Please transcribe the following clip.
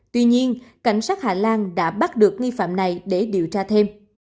tuy nhiên cảnh sát hà lan đã bắt được nghi phạm này để điều tra thêm